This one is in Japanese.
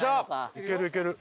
いけるいける！